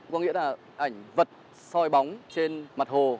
có nghĩa là ảnh vật soi bóng trên mặt hồ